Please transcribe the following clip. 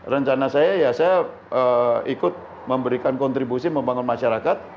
rencana saya ya saya ikut memberikan kontribusi membangun masyarakat